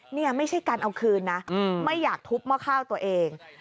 นี่ไม่ใช่การเอาคืนนะไม่อยากทุบหม้อข้าวตัวเอง